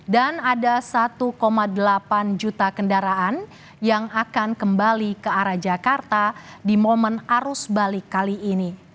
ada satu delapan juta kendaraan yang akan kembali ke arah jakarta di momen arus balik kali ini